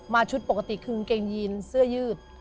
ชุดปกติคือกางเกงยีนเสื้อยืด